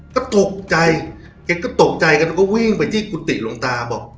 ก็ตกใจแกก็ตกใจกันแล้วก็วิ่งไปที่กุฏิหลวงตาบอก